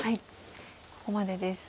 ここまでです。